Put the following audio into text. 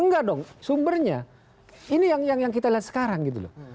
enggak dong sumbernya ini yang kita lihat sekarang gitu loh